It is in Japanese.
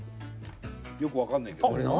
よくわかんないけど。